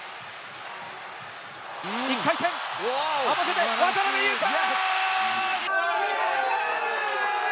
１回転、合わせて渡邊雄太！